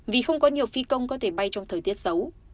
vì không có nhiều phi công có thể bay trong thời tiết xấu